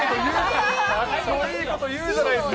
かっこいいこと言うじゃないですか。